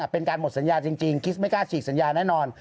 เป็นการหมดสัญญาจริงคริสไม่กล้าฉีกสัญญาแน่นอน